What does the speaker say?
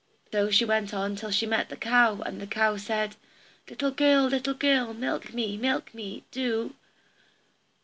So she went on till she met the cow, and the cow said, "Little girl, little girl, milk me, milk me, do.